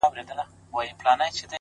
ستا هم د پزي په افسر كي جـادو؛